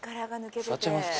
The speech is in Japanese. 座っちゃいますか。